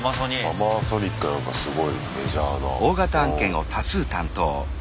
サマーソニックなんかすごいメジャーなうん。